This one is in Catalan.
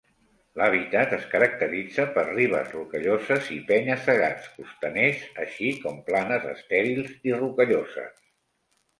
L'hàbitat es caracteritza per ribes rocalloses i penya-segats costaners, així com planes estèrils i rocalloses.